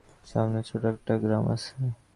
সামনে ছোট একটা গ্রাম আছে।